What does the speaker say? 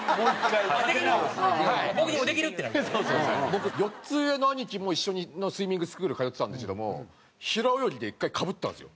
僕４つ上の兄貴も一緒のスイミングスクール通ってたんですけども平泳ぎで１回かぶったんですよ。